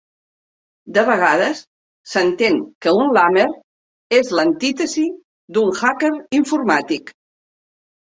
De vegades, s'entén que un lamer és l'antítesi d'un hacker informàtic.